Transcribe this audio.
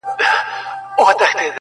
د رقیب زړه به کباب سي له حسده لمبه کیږي-